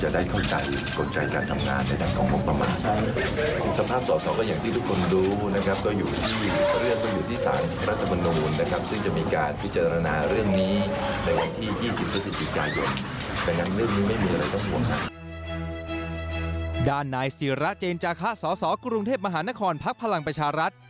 ด้านนายศิระเจนจาคะสสกรุงเทพมหานครพักพลังประชารัฐ